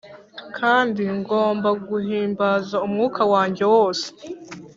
kandi ngomba guhimbaza umwuka wanjye wose.